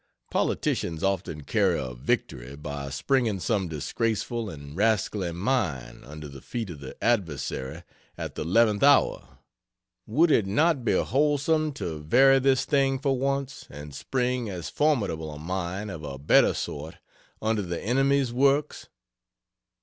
Politicians often carry a victory by springing some disgraceful and rascally mine under the feet of the adversary at the eleventh hour; would it not be wholesome to vary this thing for once and spring as formidable a mine of a better sort under the enemy's works?